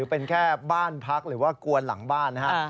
เป็นแค่บ้านพักหรือว่ากวนหลังบ้านนะครับ